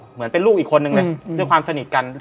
เหมือนเป็นลูกอีกคนนึงเลยด้วยความสนิทกัน